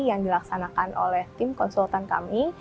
yang dilaksanakan oleh tim konsultan kami